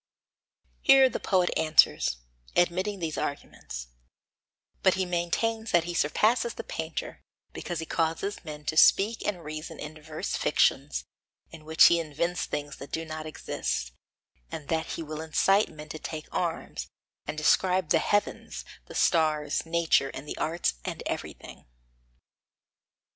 Here the poet answers, admitting these arguments; but he maintains that he surpasses the painter, because he causes men to speak and reason in diverse fictions, in which he invents things which do not exist, and that he will incite men to take arms, and describe the heavens, the stars, nature, and the arts and everything.